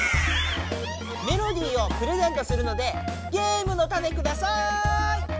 メロディーをプレゼントするのでゲームのタネください！